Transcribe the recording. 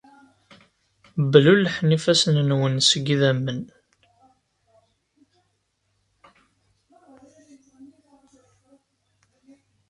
Blulḥen ifassen-nwen seg idammen.